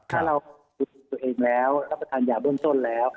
ถ้าเรียนเองแล้วรับประทานอย่าคุดโดนส้นแล้ว